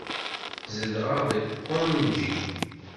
Zedɣeɣ deg Koenji.